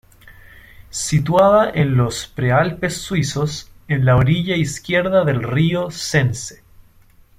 Situada en los prealpes suizos, en la orilla izquierda del río Sense.